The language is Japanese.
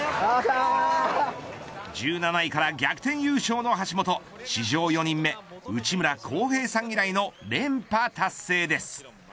１７位から逆転優勝の橋本史上４人目、内村航平さん以来の連覇達成です。